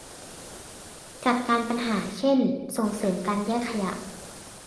จัดการปัญหา เช่น ส่งเสริมการแยกขยะ